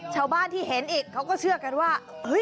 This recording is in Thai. ชาวบ้านที่เห็นอีกเขาก็เชื่อกันว่าเฮ้ย